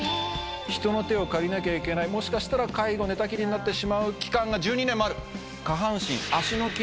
人の手を借りなきゃいけないもしかしたら介護寝たきりになってしまう期間が１２年もある。